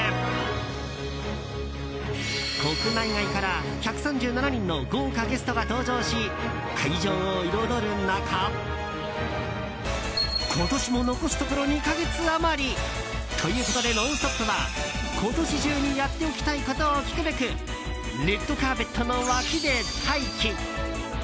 国内外から１３７人の豪華ゲストが登場し会場を彩る中今年も残すところ２か月余りということで「ノンストップ！」は今年中にやっておきたいことを聞くべくレッドカーペットの脇で待機。